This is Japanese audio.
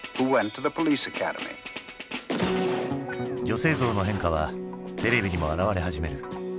女性像の変化はテレビにも現れ始める。